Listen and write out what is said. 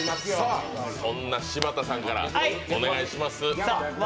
そんな柴田さんからお願いします。